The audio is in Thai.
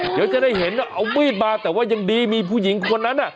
เดี๋ยวจะได้เห็นเอามีดมาแต่ว่ายังดีมีผู้หญิงคนนั้น